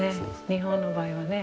日本の場合はね。